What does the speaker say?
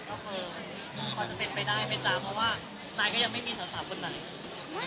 กินไปตามเพราะว่านะเฮยก็ยังไม่มีสาวตามคนหน้า